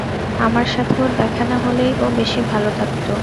আমার সাথে ওর দেখা না হলেই ও বেশি ভালো থাকতো।